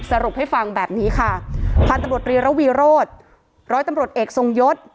สรุปให้ฟังแบบนี้ค่ะพันธุ์ตำรวจรีระวีโรธร้อยตำรวจเอกทรงยศ